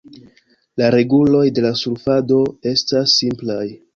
La reguloj de la surfado estas simplaj.